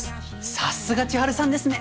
さすが千晴さんですね。